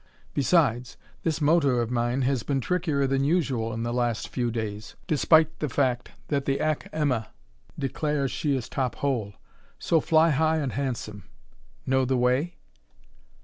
Besides, this motor of mine has been trickier than usual in the last few days despite the fact that the Ack Emma declares she is top hole. So fly high and handsome. Know the way?"